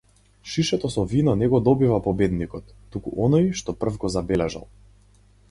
Шишето со вино не го добива победникот, туку оној што прв го забележал.